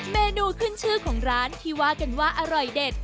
เมนูขึ้นชื่อของร้านที่ว่ากันว่าอร่อยเด็ด